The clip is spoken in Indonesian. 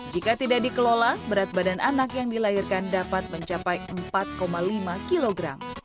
jika tidak dikelola berat badan anak yang dilahirkan dapat mencapai empat lima kg